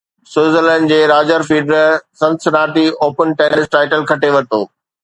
Switzerland جي Roger Federer Cincinnati open tennis title کٽي ورتو